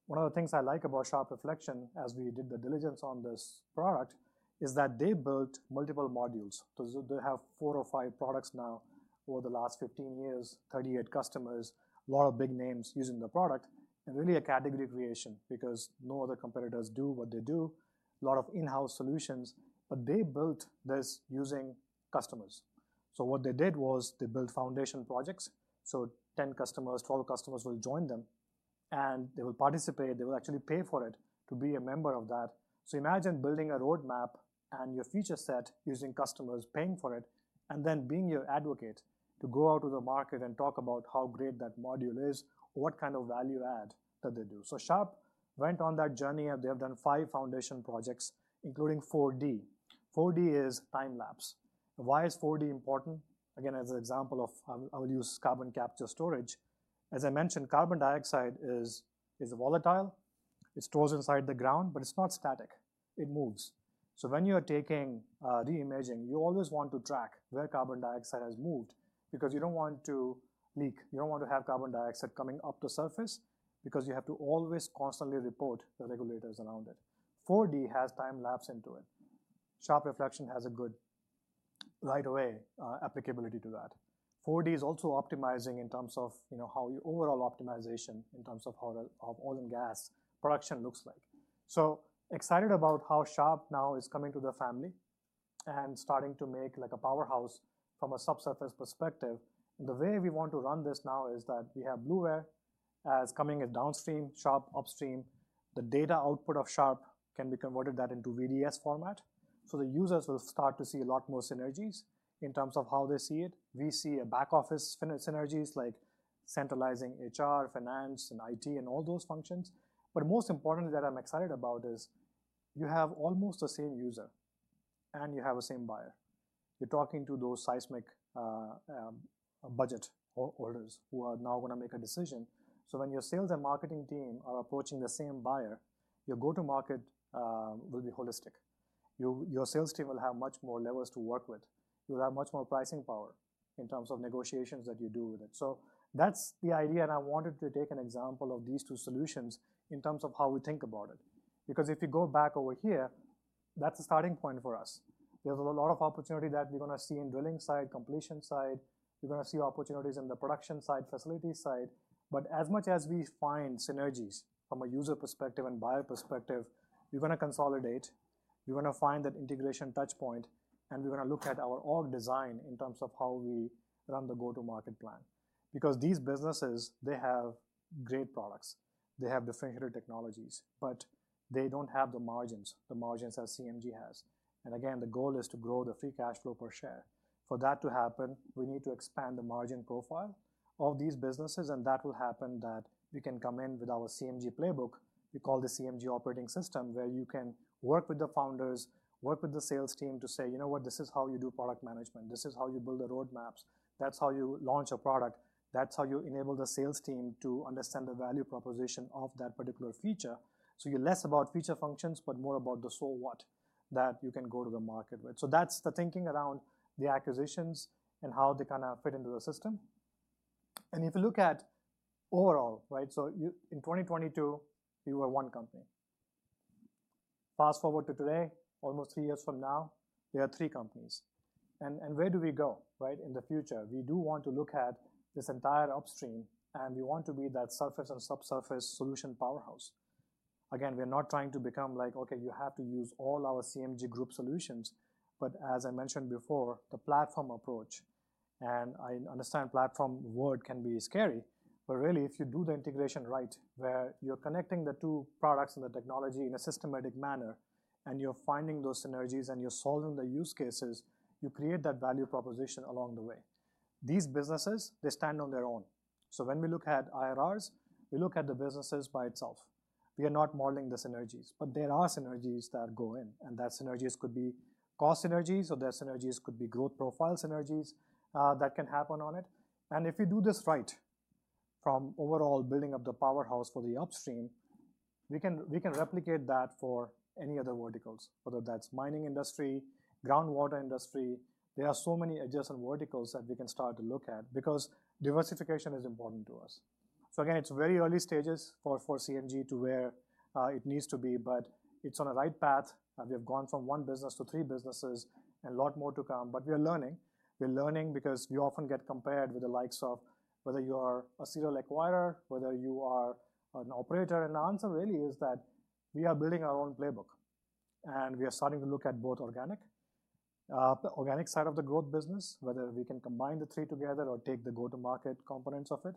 One of the things I like about Sharp Reflections, as we did the diligence on this product, is that they built multiple modules. So they have four or five products now over the last 15 years, 38 customers, a lot of big names using the product, and really a category creation because no other competitors do what they do, a lot of in-house solutions, but they built this using customers. So what they did was they built foundation projects. So 10 customers, 12 customers will join them, and they will participate. They will actually pay for it to be a member of that. So imagine building a roadmap and your feature set using customers paying for it, and then being your advocate to go out to the market and talk about how great that module is, what kind of value-add that they do. So Sharp went on that journey, and they have done five foundation projects, including 4D. 4D is time-lapse. Why is 4D important? Again, as an example of, I will use carbon capture storage. As I mentioned, carbon dioxide is volatile. It's stored inside the ground, but it's not static. It moves. So when you are taking reimaging, you always want to track where carbon dioxide has moved because you don't want to leak. You don't want to have carbon dioxide coming up to surface because you have to always constantly report to the regulators about it. 4D has time lapse into it. Sharp Reflections has a good right away applicability to that. 4D is also optimizing in terms of, you know, how your overall optimization in terms of how oil and gas production looks like. So excited about how Sharp now is coming to the family and starting to make like a powerhouse from a subsurface perspective. The way we want to run this now is that we have Bluware as coming as downstream, Sharp upstream. The data output of Sharp can be converted into VDS format. So the users will start to see a lot more synergies in terms of how they see it. We see back office synergies like centralizing HR, finance, and IT, and all those functions. But most importantly, that I'm excited about is you have almost the same user, and you have a same buyer. You're talking to those seismic, budget holders who are now gonna make a decision. So when your sales and marketing team are approaching the same buyer, your go-to-market, will be holistic. Your sales team will have much more levers to work with. You'll have much more pricing power in terms of negotiations that you do with it. So that's the idea, and I wanted to take an example of these two solutions in terms of how we think about it. Because if you go back over here, that's a starting point for us. There's a lot of opportunity that we're gonna see in drilling side, completion side. We're gonna see opportunities in the production side, facility side. But as much as we find synergies from a user perspective and buyer perspective, we're gonna consolidate. We're gonna find that integration touchpoint, and we're gonna look at our org design in terms of how we run the go-to-market plan. Because these businesses, they have great products. They have differentiated technologies, but they don't have the margins, the margins that CMG has. And again, the goal is to grow the free cash flow per share. For that to happen, we need to expand the margin profile of these businesses, and that will happen that we can come in with our CMG playbook. We call the CMG Operating System, where you can work with the founders, work with the sales team to say, "You know what? This is how you do product management. This is how you build the roadmaps. That's how you launch a product. That's how you enable the sales team to understand the value proposition of that particular feature." So you're less about feature functions but more about the so what that you can go to the market with. So that's the thinking around the acquisitions and how they kind of fit into the system. And if you look at overall, right, so you in 2022, you were one company. Fast forward to today, almost three years from now, there are three companies. Where do we go, right, in the future? We do want to look at this entire upstream, and we want to be that surface and subsurface solution powerhouse. Again, we are not trying to become like, "Okay, you have to use all our CMG group solutions." But as I mentioned before, the platform approach, and I understand platform word can be scary, but really, if you do the integration right, where you're connecting the two products and the technology in a systematic manner, and you're finding those synergies and you're solving the use cases, you create that value proposition along the way. These businesses, they stand on their own. So when we look at IRRs, we look at the businesses by itself. We are not modeling the synergies, but there are synergies that go in, and that synergies could be cost synergies, or the synergies could be growth profile synergies, that can happen on it, and if you do this right from overall building up the powerhouse for the upstream, we can, we can replicate that for any other verticals, whether that's mining industry, groundwater industry. There are so many adjacent verticals that we can start to look at because diversification is important to us, so again, it's very early stages for, for CMG to where, it needs to be, but it's on a right path. We have gone from one business to three businesses and a lot more to come, but we are learning. We're learning because we often get compared with the likes of whether you are a serial acquirer, whether you are an operator. The answer really is that we are building our own playbook, and we are starting to look at both organic side of the growth business, whether we can combine the three together or take the go-to-market components of it,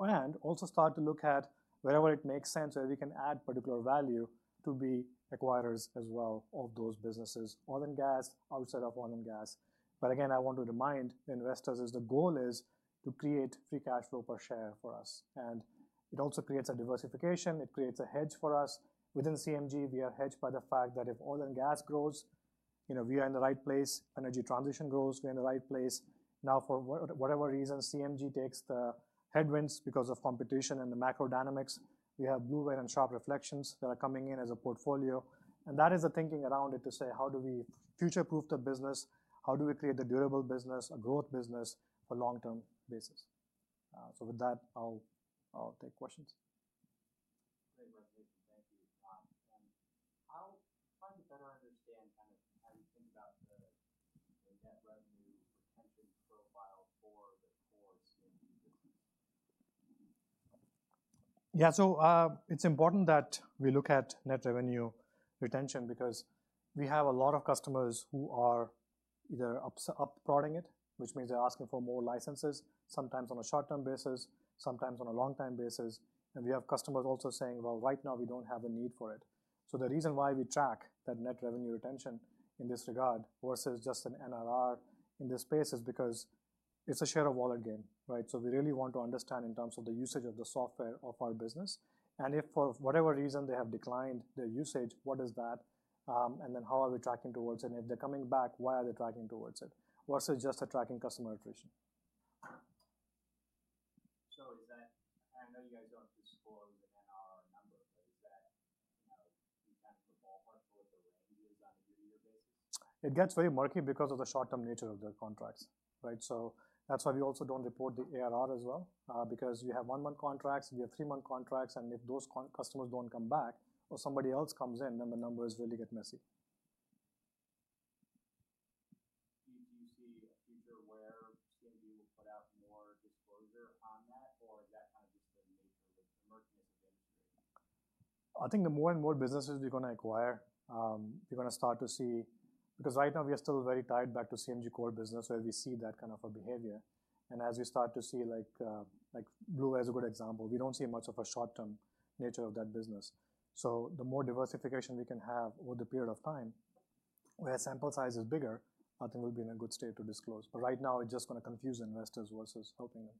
and also start to look at wherever it makes sense where we can add particular value to be acquirers as well of those businesses, oil and gas, outside of oil and gas. But again, I want to remind the investors, the goal is to create free cash flow per share for us, and it also creates a diversification. It creates a hedge for us. Within CMG, we are hedged by the fact that if oil and gas grows, we are in the right place. Energy transition grows, we are in the right place. Now, for whatever reason, CMG takes the headwinds because of competition and the macro dynamics. We have Bluware and Sharp Reflections that are coming in as a portfolio, and that is the thinking around it to say, "How do we future-proof the business? How do we create a durable business, a growth business for long-term basis?" So with that, I'll take questions. Great resolution. Thank you, Jain. How do you better understand kind of how you think about the net revenue retention profile for the core CMG business? Yeah, so, it's important that we look at net revenue retention because we have a lot of customers who are either upselling or upping it, which means they're asking for more licenses, sometimes on a short-term basis, sometimes on a long-term basis. And we have customers also saying, "Well, right now we don't have a need for it." So the reason why we track that net revenue retention in this regard versus just an NRR in this space is because it's a share of wallet game, right? So we really want to understand in terms of the usage of the software of our business, and if for whatever reason they have declined their usage, what is that, and then how are we tracking towards it? And if they're coming back, why are they tracking towards it versus just a tracking customer attrition? So is that, and I know you guys don't have to score with an NRR number, but is that you kind of have a ballpark for what the range is on a year-to-year basis? It gets very murky because of the short-term nature of the contracts, right? So that's why we also don't report the ARR as well, because you have one-month contracts, you have three-month contracts, and if those customers don't come back or somebody else comes in, then the numbers really get messy. Do you see a future where CMG will put out more disclosure on that, or is that kind of just the nature of the emerging industry? I think the more and more businesses we're gonna acquire, we're gonna start to see because right now we are still very tied back to CMG core business where we see that kind of a behavior. And as we start to see, like Bluware is a good example, we don't see much of a short-term nature of that business. So the more diversification we can have over the period of time where sample size is bigger, I think we'll be in a good state to disclose. But right now, it's just gonna confuse investors versus helping them.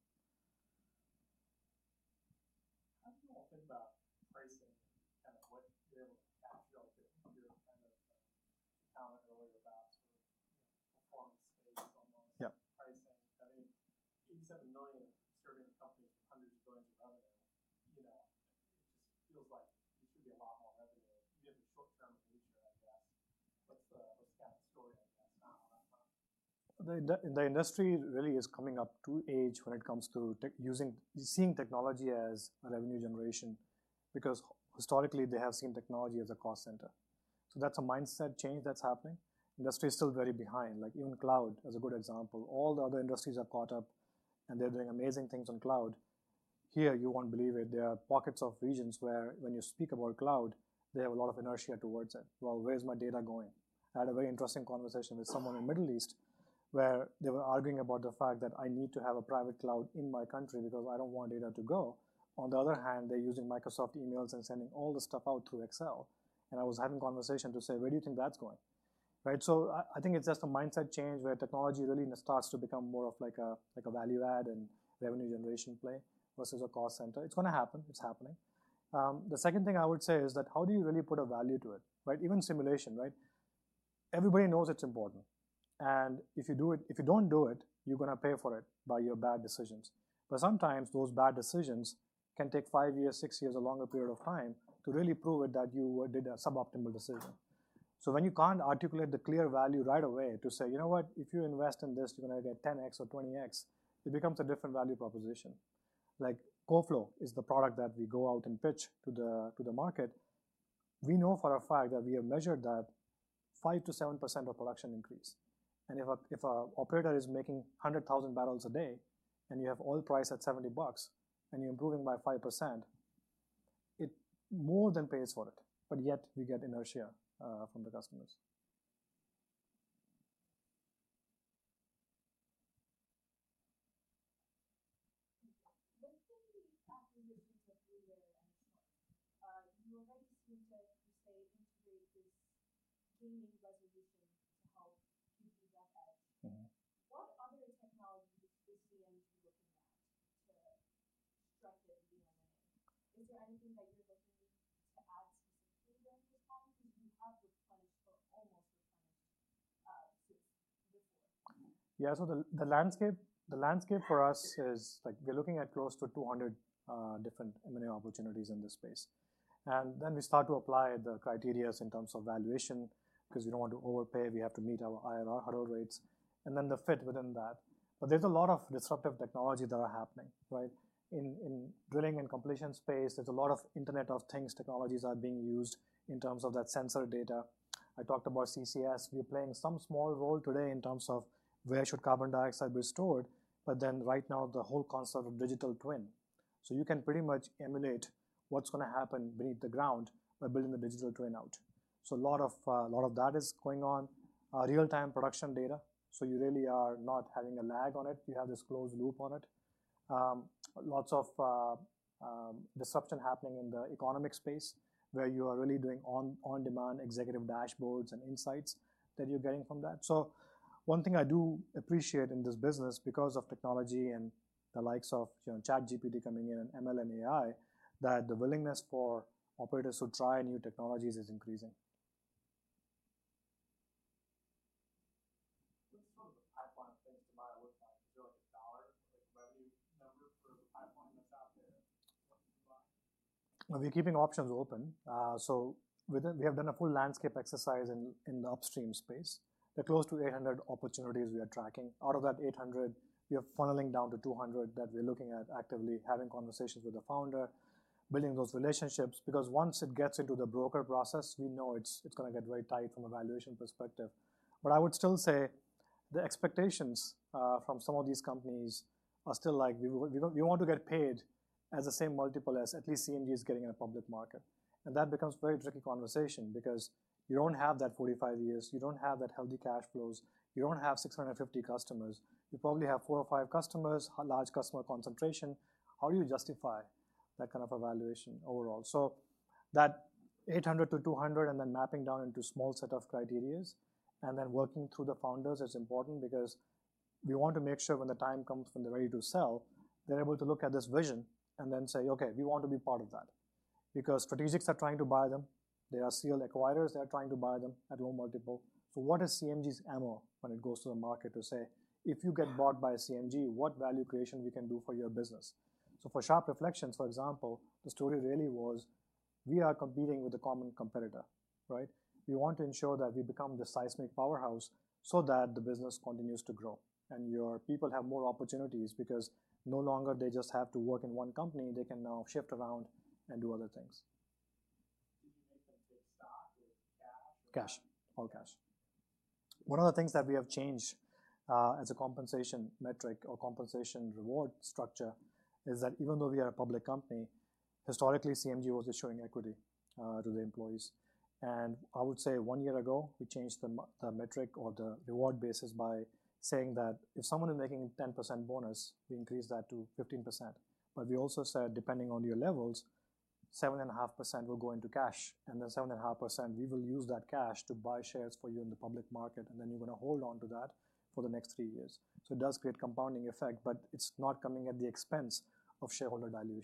where they were arguing about the fact that, "I need to have a private cloud in my country because I don't want data to go." On the other hand, they're using Microsoft emails and sending all the stuff out through Excel. I was having a conversation to say, "Where do you think that's going?" Right? It's just a mindset change where technology really starts to become more of like a value-add and revenue generation play versus a cost center. It's gonna happen. It's happening. The second thing I would say is that how do you really put a value to it, right? Even simulation, right? Everybody knows it's important, and if you do it, if you don't do it, you're gonna pay for it by your bad decisions. But sometimes those bad decisions can take five years, six years, a longer period of time to really prove it that you did a suboptimal decision. So when you can't articulate the clear value right away to say, "You know what? If you invest in this, you're gonna get 10X or 20X," it becomes a different value proposition. Like, CoFlow is the product that we go out and pitch to the market. We know for a fact that we have measured that 5%-7% of production increase. And if an operator is making 100,000 barrels a day and you have oil price at $70 and you're improving by 5%, it more than pays for it, but yet we get inertia from the customers. where should carbon dioxide be stored, but then right now the whole concept of digital twin. So you can pretty much emulate what's gonna happen beneath the ground by building the digital twin out. A lot of that is going on, real-time production data. You really are not having a lag on it. You have this closed loop on it. Lots of disruption is happening in the economic space where you are really doing on-demand executive dashboards and insights that you're getting from that. One thing I do appreciate in this business because of technology and the likes of ChatGPT coming in and ML and AI is that the willingness for operators who try new technologies is increasing. What's sort of the pipeline of things to buy? What's that? Is there like a dollar, like a revenue number for the pipeline that's out there? What do you buy? We're keeping options open. So within, we have done a full landscape exercise in the upstream space. There are close to 800 opportunities we are tracking. Out of that 800, we are funneling down to 200 that we're looking at actively having conversations with the founder, building those relationships. Because once it gets into the broker process, we know it's gonna get very tight from a valuation perspective. But I would still say the expectations from some of these companies are still like, "We want to get paid as the same multiple as at least CMG is getting in a public market." That becomes a very tricky conversation because you don't have that 45 years, you don't have that healthy cash flows, you don't have 650 customers. You probably have four or five customers, large customer concentration. How do you justify that kind of evaluation overall? So that 800 to 200 and then mapping down into small set of criteria and then working through the founders is important because we want to make sure when the time comes when they're ready to sell, they're able to look at this vision and then say, "Okay, we want to be part of that." Because strategics are trying to buy them. There are serial acquirers that are trying to buy them at low multiple. So what is CMG's MO when it goes to the market to say, "If you get bought by CMG, what value creation we can do for your business?" So for Sharp Reflections, for example, the story really was we are competing with a common competitor, right? We want to ensure that we become the seismic powerhouse so that the business continues to grow and your people have more opportunities because no longer they just have to work in one company. They can now shift around and do other things. Did you make a big stock with cash or? Cash. All cash. One of the things that we have changed, as a compensation metric or compensation reward structure, is that even though we are a public company, historically CMG was issuing equity to the employees, and I would say one year ago we changed the metric or the reward basis by saying that if someone is making 10% bonus, we increase that to 15%, but we also said depending on your levels, 7.5% will go into cash, and then 7.5% we will use that cash to buy shares for you in the public market, and then you're gonna hold on to that for the next three years, so it does create a compounding effect, but it's not coming at the expense of shareholder dilution.